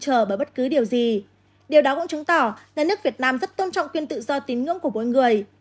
không bị trở bởi bất cứ điều gì điều đó cũng chứng tỏ là nước việt nam rất tôn trọng quyền tự do tín ngưỡng của mỗi người